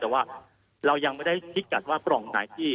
แต่ว่าเรายังไม่ได้พิกัดว่ากล่องไหนที่